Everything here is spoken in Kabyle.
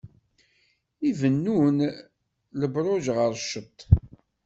Ibennun lebṛuj ɣer cceṭ.